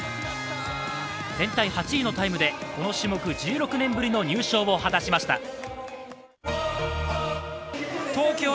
全体８位のタイムでこの種目１６年ぶりの入賞を果たしました。